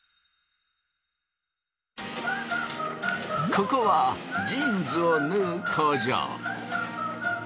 ここはジーンズを縫う工場。